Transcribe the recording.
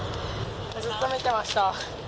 ずっと見てました。